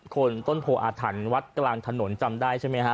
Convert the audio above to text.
คนต้นโพออาถรรพ์วัดกลางถนนจำได้ใช่ไหมฮะ